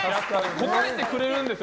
応えてくれるんですよ